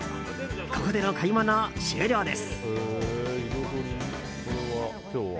ここでの買い物終了です。